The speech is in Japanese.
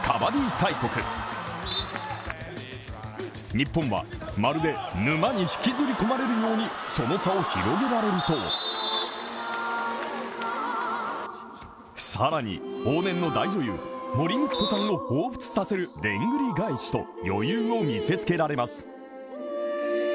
日本は、まるで沼に引きずり込まれるようにその差を広げられると更に、往年の大女優・森光子さんをほうふつさせるでんぐり返しと、余裕を見せつけられます。